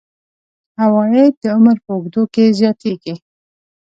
عواید د عمر په اوږدو کې زیاتیږي.